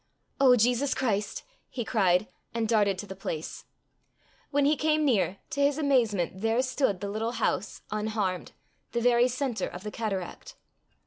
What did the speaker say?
"O Jesus Christ!" he cried, and darted to the place. When he came near, to his amazement there stood the little house unharmed, the very centre of the cataract!